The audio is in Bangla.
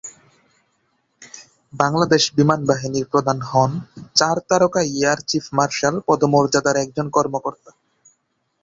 বাংলাদেশ বিমান বাহিনীর প্রধান হন চার তারকা এয়ার চিফ মার্শাল পদমর্যাদার একজন কর্মকর্তা।